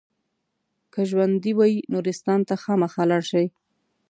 که ژوندي وئ نورستان ته خامخا لاړ شئ.